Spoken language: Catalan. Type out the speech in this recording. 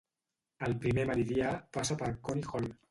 El primer Meridià passa per Coney Hall.